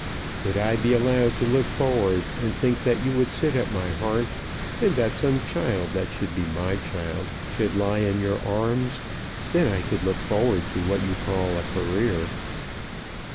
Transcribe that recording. Could I be allowed to look forward and think that you would sit at my hearth, and that some child that should be my child should lie in your arms, then I could look forward to what you call a career.